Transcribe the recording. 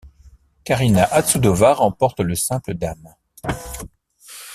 Karina Habšudová remporte le simple dames.